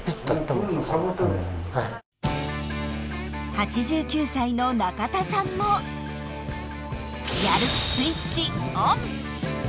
８９歳の中田さんもやる気スイッチＯＮ！